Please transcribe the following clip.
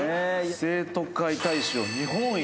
生徒会大賞日本一。